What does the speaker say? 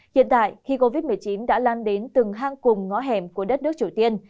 hiện tại khi covid một mươi chín đã lan đến từng hang cùng ngõ hẻm của đất nước triều tiên